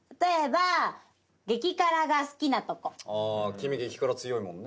君激辛強いもんね。